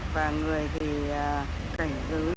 và người thì cảnh cứ